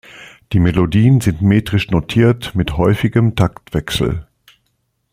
Die Melodien sind metrisch notiert mit häufigem Taktwechsel.